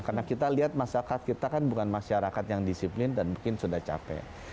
karena kita lihat masyarakat kita kan bukan masyarakat yang disiplin dan mungkin sudah capek